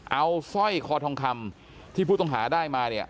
เอาสร้อยคอทองคำที่ผู้ต้องหาได้มาเนี่ย